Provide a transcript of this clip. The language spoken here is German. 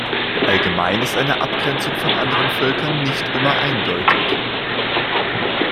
Allgemein ist eine Abgrenzung von anderen Völkern nicht immer eindeutig.